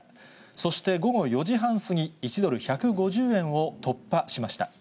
そして、午後４時半過ぎ、１ドル１５０円を突破しました。